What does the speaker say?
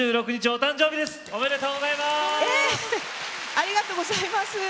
ありがとうございます。